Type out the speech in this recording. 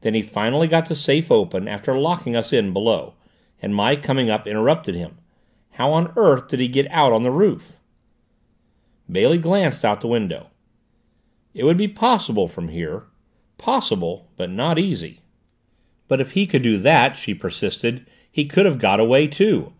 Then he finally got the safe open, after locking us in below, and my coming up interrupted him. How on earth did he get out on the roof?" Bailey glanced out the window. "It would be possible from here. Possible, but not easy." "But, if he could do that," she persisted, "he could have got away, too.